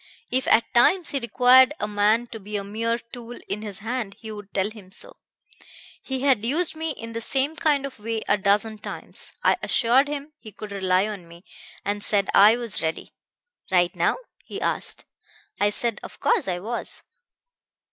If at times he required a man to be a mere tool in his hand, he would tell him so. He had used me in the same kind of way a dozen times. I assured him he could rely on me, and said I was ready. 'Right now?' he asked. I said, of course I was.